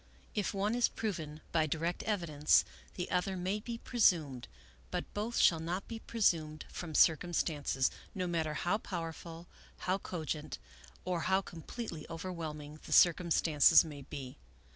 If one is proven by direct evidence, the other may be presumed; but both shall not be presumed from circumstances, no mat ter how powerful, how cogent, or how completely over whelming the circumstances may be.